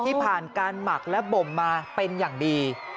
ที่ผ่านการหมักและบ่มมาเป็นอย่างดี